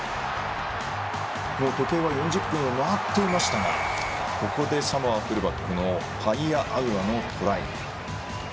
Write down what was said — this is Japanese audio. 時計は４０分を回っていましたがここでサモア、フルバックのパイアアウアのトライ。